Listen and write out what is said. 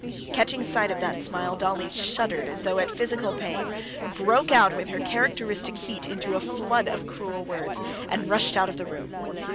Catching sight of that smile, Dolly shuddered as though at physical pain, broke out with her characteristic heat into a flood of cruel words, and rushed out of the room.